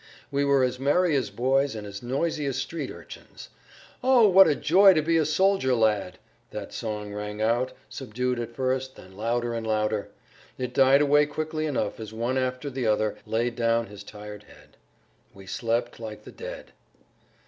We were as merry as boys and as noisy as street urchins. "Oh, what a joy to be a soldier lad!"—that song rang out, subdued at first, then louder and louder. It died away quickly enough as one after the other laid down his tired head. We slept like the dead.